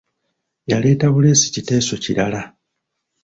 Yaleeta buleesi kiteeso kirala.